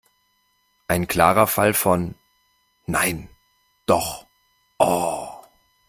Ein klarer Fall von: "Nein! Doch! Oh!"